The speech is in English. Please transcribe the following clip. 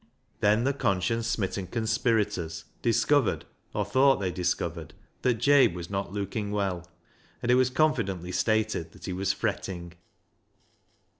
Then the conscience smitten conspirators dis 362 BECKSIDE LIGHTS covered, or thought they discovered, that Jabe was not looking well, and it was confidently stated that he was fretting.